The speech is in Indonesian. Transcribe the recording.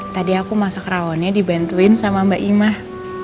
tadi aku masuk rawonnya dibantuin sama mbak imah